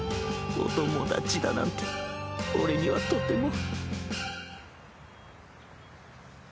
お友達だなんて俺にはとても。